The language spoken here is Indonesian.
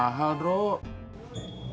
yang baru mahal druk ya kalau gitu berapa